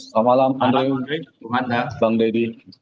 selamat malam bang deddy